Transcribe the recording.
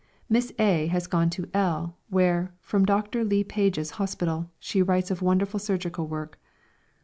Miss A has gone to L , where, from Dr. Le Page's hospital, she writes of wonderful surgical work.